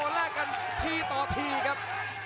แลกกันทีต่อทีครับ